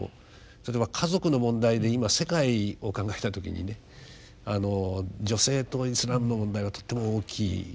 例えば家族の問題で今世界を考えた時にね女性とイスラムの問題はとっても大きいです。